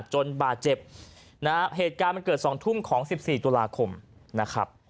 จนบาดเจ็บนะฮะเหตุการณ์มันเกิด๒ทุ่มของ๑๔ตุลาคมนะครับ